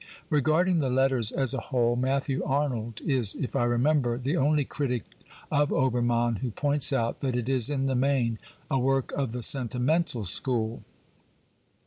Regarding the letters as a whole, Matthew Arnold is, if I remember, the only critic of Obermann who points out that it is in the main a work of the sentimental school.